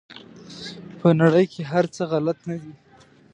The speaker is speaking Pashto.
په نړۍ کې هر څه غلط نه دي.